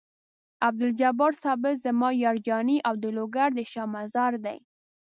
عبدالجبار ثابت زما یار جاني او د لوګر د شاه مزار دی.